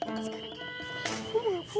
aku juga nggak tau